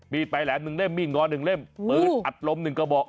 ปลายแหลม๑เล่มมีดงอ๑เล่มปืนอัดลม๑กระบอก